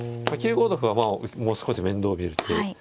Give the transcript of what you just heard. ９五の歩はもう少し面倒見る手。